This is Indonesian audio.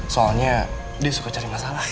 soalnya dia suka cari masalah